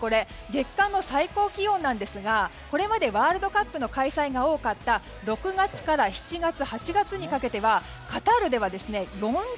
月間の最高気温なんですがこれまでワールドカップの開催が多かった６月から７月、８月にかけてはカタールでは４０度。